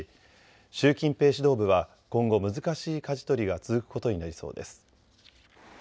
習近平指導部は今後、難しいかじ取りが続くことになりそうです。